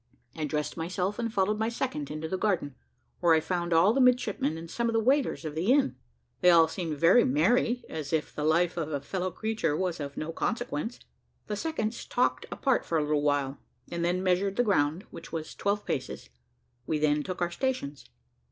I dressed myself and followed my second into the garden, where I found all the midshipmen and some of the waiters of the inn. They all seemed very merry, as if the life of a fellow creature was of no consequence. The seconds talked apart for a little while, and then measured the ground, which was twelve paces; we then took our stations.